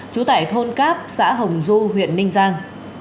trú tại thôn cáp xã hồng du huyện ninh giang